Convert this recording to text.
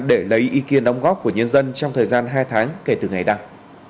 để lấy ý kiến đóng góp của nhân dân trong thời gian hai tháng kể từ ngày đăng